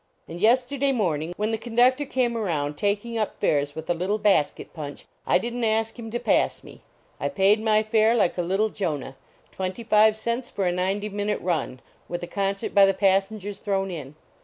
And yesterday morning, when the conductor came around taking up fares with a little basket punch, I didn t a>k 204 THE BRAKKMAN AT CHURCH him to pass me; I paid my fare like a little Jonah twenty five cents for a ninety minute run, with a concert by the passengers thrown in.